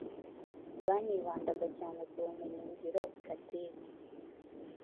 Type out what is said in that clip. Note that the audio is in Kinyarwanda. banibandaga cyane ku bumenyi ngiro (Pratique)